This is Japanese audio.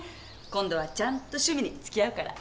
今度はちゃんと趣味に付き合うから。